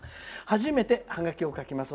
初めてハガキを書きます。